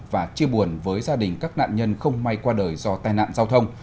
và chia buồn với gia đình các nạn nhân không may qua đời do tai nạn giao thông